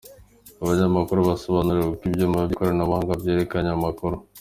Abanyamakuru basobanurirwa uko ibyuma by’ikoranabuhanga byerekana amakuru.